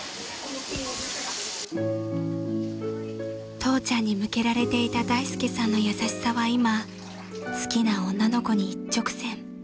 ［父ちゃんに向けられていた大介さんの優しさは今好きな女の子に一直線］